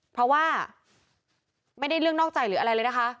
เพราะว่าไม่ได้เรื่องนอกใจหรืออะไรเลยนะคะ